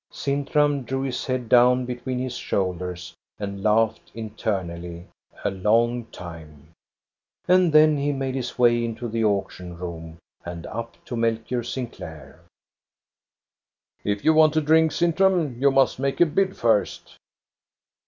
. Sintram drew his head down between his shoulders and laughed internally a long time. And then he made his way into the auction room and up to Mel chior Sinclair. " If you want a drink, Sintram, you must make a bid first."